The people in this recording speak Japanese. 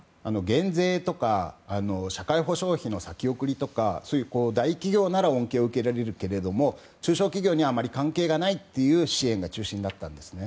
減税とか社会保障費の先送りとかそういう大企業なら恩恵を受けられるけど中小企業にはあまり関係がない支援が中心だったんですね。